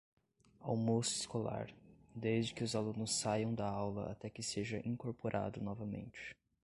Almoço escolar: desde que os alunos saiam da aula até que seja incorporado novamente.